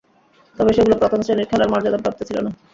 তবে সেগুলো প্রথম-শ্রেণীর খেলার মর্যাদাপ্রাপ্ত ছিল না।